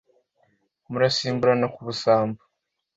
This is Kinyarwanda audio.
murasimburana ku busambo